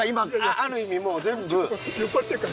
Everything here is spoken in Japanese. ある意味もう全部。